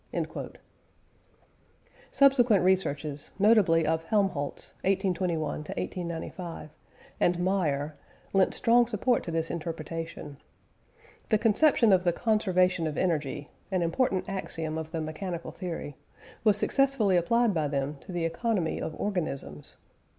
" Subsequent researches, notably of Helmholtz (1821 1895) and Meyer, lent strong support to this interpretation. The conception of the conservation of energy (an important axiom of the mechanical theory) was successfully applied by them to the economy of organisms.